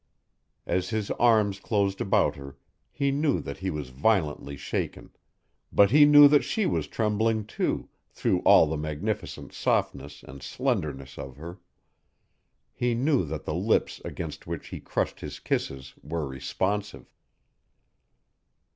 As his arms closed about her, he knew that he was violently shaken, but he knew that she was trembling, too, through all the magnificent softness and slenderness of her. He knew that the lips against which he crushed his kisses were responsive.